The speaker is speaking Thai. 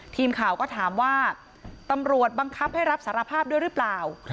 ทีมข่าวก็ถามว่าตำรวจบังคับให้รับสารภาพด้วยหรือเปล่า